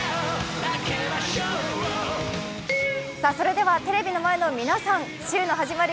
では、テレビの前の皆さん週の始まり